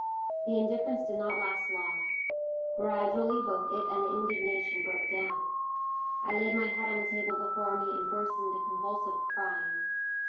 The indifference did not last long. Gradually both it and the indignation broke down. I laid my head on the table before me and burst into convulsive crying.